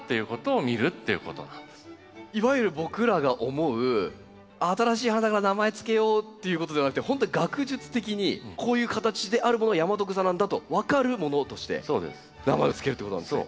いわゆる僕らが思う「新しい花だから名前付けよう」っていうことではなくて本当に学術的にこういう形であるものはヤマトグサなんだと分かるものとして名前を付けるということなんですね。